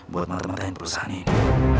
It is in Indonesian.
buat matematikan perusahaan ini